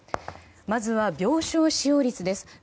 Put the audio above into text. まずは病床使用率です。